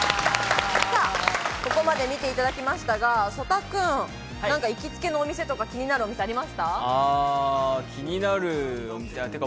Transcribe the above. ここまで見ていただきましたが、曽田君、行きつけのお店とか、気になるお店ありますか？